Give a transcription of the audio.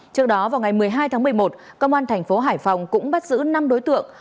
trước đó vào ngày một mươi hai tháng một mươi một công an thành phố hải phòng cũng bắt giữ năm đối tượng